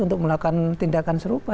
untuk melakukan tindakan serupa